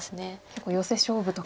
結構ヨセ勝負とか。